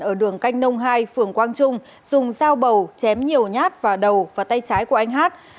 ở đường canh nông hai phường quang trung dùng dao bầu chém nhiều nhát vào đầu và tay trái của anh hát